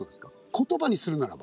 言葉にするならば。